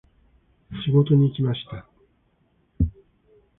仕事に行きました。